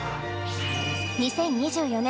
２０２４年